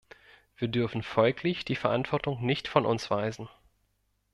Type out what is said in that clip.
Wir dürfen folglich die Verantwortung nicht von uns weisen.